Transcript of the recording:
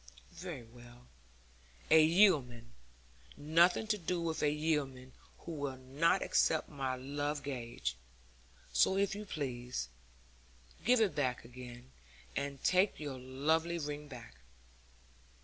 'Very well, a yeoman nothing to do with a yeoman who will not accept my love gage. So, if you please, give it back again, and take your lovely ring back.'